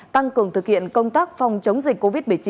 tăng cường thực hiện công tác phòng chống dịch covid một mươi chín